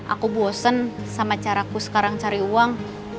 aku bosen sama caraku sekarang cari uang